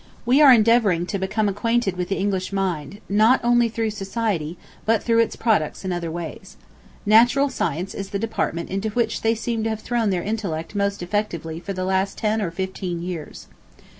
We are endeavoring to become acquainted with the English mind, not only through society, but through its products in other ways. Natural science is the department into which they seem to have thrown their intellect most effectively for the last ten or fifteen years.